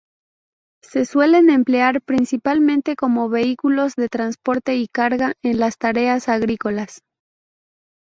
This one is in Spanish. Se suelen emplear principalmente como vehículos de transporte y carga en las tareas agrícolas.